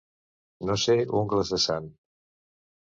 No ser ungles de sant.